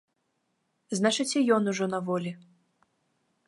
Значыць, і ён ужо на волі.